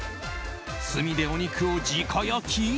炭でお肉を直焼き？